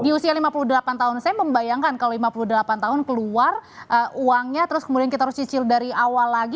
di usia lima puluh delapan tahun saya membayangkan kalau lima puluh delapan tahun keluar uangnya terus kemudian kita harus cicil dari awal lagi